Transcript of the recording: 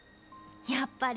やっぱり。